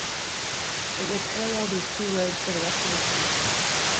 It will parallel these two roads for the rest of its route.